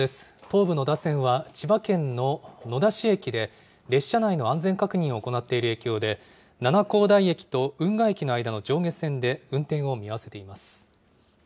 東武野田線は、千葉県の野田市駅で、列車内の安全確認を行っている影響で、七光台駅と運河駅の間の上下線で運転を見合わせています。